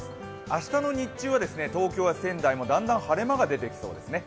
明日の日中は東京や仙台もだんだん晴れ間も出てきそうですね。